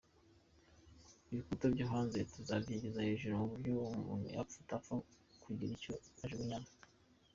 Ibikuta byo hanze tuzabyigiza hejuru ku buryo nta muntu wapfa kugira icyo ajugunyamo.